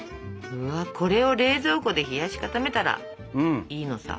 これを冷蔵庫で冷やし固めたらいいのさ。